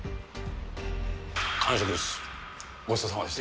完食です。